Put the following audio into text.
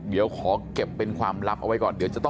เดี๋ยวขอเก็บเป็นความลับเอาไว้ก่อน